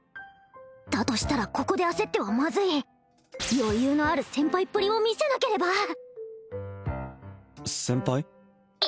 だとしたらここで焦ってはマズい余裕のある先輩っぷりを見せなければ先輩？